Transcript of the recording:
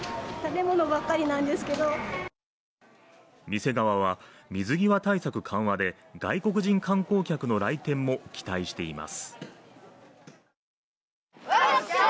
店側は水際対策緩和で外国人観光客の来店も期待しています。